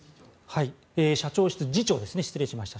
社長室次長ですね失礼いたしました。